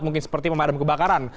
mungkin seperti pemadam kebakaran